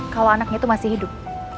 kalau anaknya itu masih hidup